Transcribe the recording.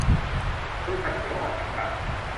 บริษัท เขียวอ่อน จำกัด